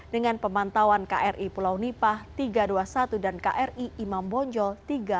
dengan pemantauan kri pulau nipah tiga ratus dua puluh satu dan kri imam bonjol tiga ratus dua puluh